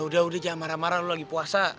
udah udah jangan marah marah lo lagi puasa